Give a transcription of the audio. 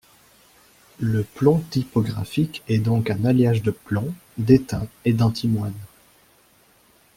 Le plomb typographique est donc un alliage de plomb, d'étain et d'antimoine.